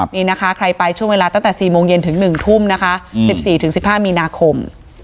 นี่นะคะใครไปช่วงเวลาตั้งแต่๔โมงเย็นถึง๑ทุ่มนะคะ๑๔๑๕มีนาคม